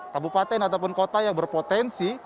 kabupaten ataupun kota yang berpotensi